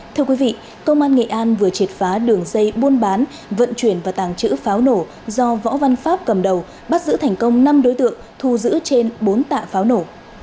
thưa quý vị công an nghệ an vừa triệt phá đường dây buôn bán vận chuyển và tàng trữ pháo nổ do võ văn pháp cầm đầu bắt giữ thành công năm đối tượng thu giữ trên bốn tạ pháo nổ